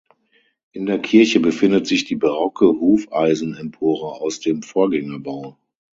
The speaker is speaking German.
In der Kirche befindet sich die barocke Hufeisenempore aus dem Vorgängerbau.